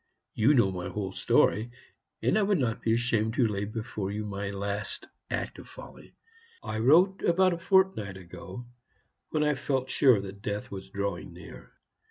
You know my whole story, and I would not be ashamed to lay before you my last act of folly. I wrote about a fortnight ago, when I felt sure that death was drawing near.